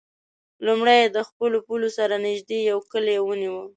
لومړی یې د خپلو پولو سره نژدې یو کلی ونیو.